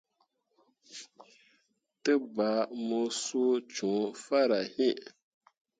Te bah mu suu cõo farah hii.